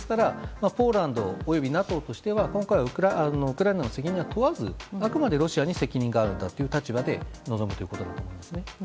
ポーランド及びＮＡＴＯは今回はウクライナの責任は問わずあくまでロシアに責任があるという立場で臨むということだと思います。